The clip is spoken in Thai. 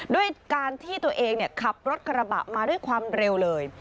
ด้วยการที่ตัวเองขับรถกระบะมาด้วยความเร็วเลย